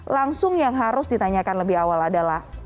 langsung yang harus ditanyakan lebih awal adalah